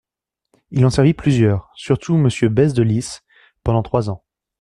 Il en servit plusieurs, surtout Monsieur Bèze de Lys, pendant trois ans.